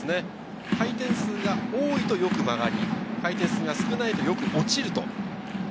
回転数が多いとよく曲がり、少ないとよく落ちる。